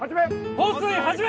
放水始め！